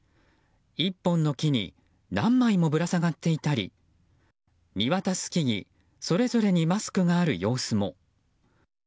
１本の木に何枚もぶら下がっていたり見渡す木々それぞれにマスクがある様子も。